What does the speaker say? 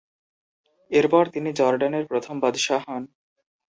এরপর তিনি জর্ডানের প্রথম বাদশাহ হন।